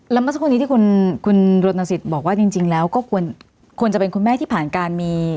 แล้วเมื่อสักครู่นี้ที่คุณรณสิทธิ์บอกว่าจริงแล้วก็ควรจะเป็นคุณแม่ที่ผ่านการมี